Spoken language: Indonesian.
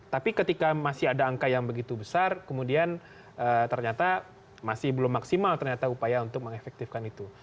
tapi ketika masih ada angka yang begitu besar kemudian ternyata masih belum maksimal ternyata upaya untuk mengefektifkan itu